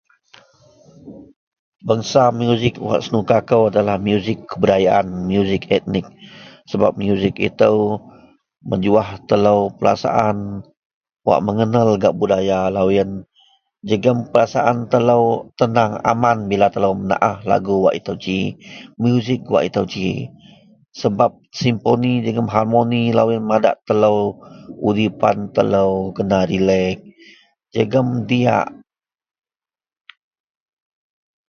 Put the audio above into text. Bangsa musik wak senuka kou adalah musik kebudayaan musik etnik sebab musik ito mejuwah telo perasaan wak mengenal gak budaya loyen jegem perasaan telo tenang aman bila telo menaah lagu wak ito ji musik wak ito ji sebab simponi jegem hamoni loyen madak telo udipan telo kena relek jegem diyak.